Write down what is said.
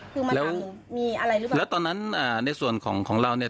คือมันมีอะไรหรือเปล่าแล้วตอนนั้นอ่าในส่วนของของเราเนี่ย